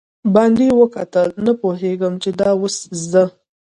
باندې وکتل، نه پوهېدم چې دا اوس زه.